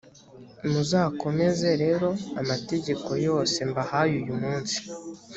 muzakomeze rero amategeko yose mbahaye uyu munsi